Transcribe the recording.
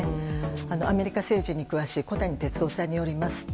アメリカ政治に詳しい小谷哲男さんによりますと